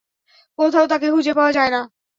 কোথাও তাকে খুঁজে পাওয়া যায় না।